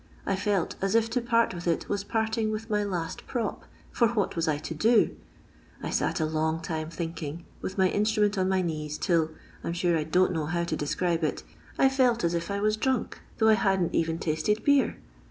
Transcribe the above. I fidt at if to part with it wae parting with my last pr<^, for what was I to do 1 I lat a long time thinking, with my instrument on my knees, 'til — I 'm sure I don't know how to describe it — I £ilt as if I was drunk, though I hadn't even tasted bear.